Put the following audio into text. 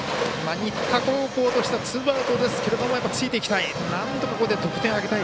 新田高校としてはツーアウトですけどついていきたい。